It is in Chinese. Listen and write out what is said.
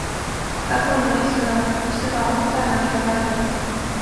阿尔布雷希特在随后的岁月里将会设法确立哈布斯堡在荷兰的霸权。